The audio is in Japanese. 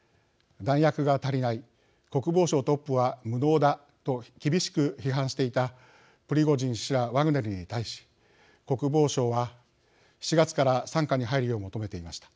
「弾薬が足りない」「国防省トップは無能だ」と厳しく批判していたプリゴジン氏らワグネルに対し国防省は７月から傘下に入るよう求めていました。